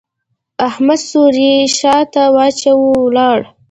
احمد څوری شا ته واچاوو؛ ولاړ.